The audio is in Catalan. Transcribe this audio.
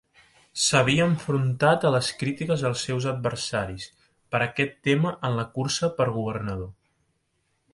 S'havia enfrontat a les crítiques dels seus adversaris per aquest tema en la cursa per Governador.